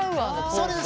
そうです。